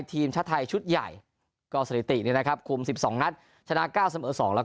ทีมชาติไทยชุดใหญ่ก็สถิติเนี่ยนะครับคุม๑๒นัดชนะ๙เสมอ๒แล้วก็